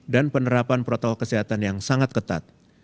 dan penerapan protokol kesehatan yang sangat ketat